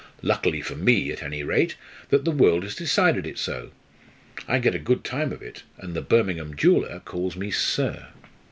Lucky for me, at any rate, that the world has decided it so. I get a good time of it and the Birmingham jeweller calls me 'sir.'"